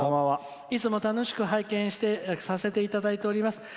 いつも楽しく拝見させていただいております。